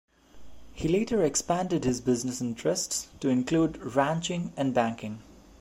He later expanded his business interests to include ranching and banking.